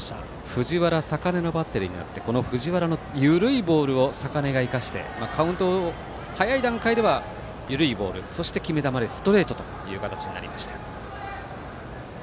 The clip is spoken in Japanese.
藤原、坂根のバッテリーとなって藤原の緩いボールを坂根が生かしてカウント早い段階では緩いボール、そして決め球でストレートという形になりました。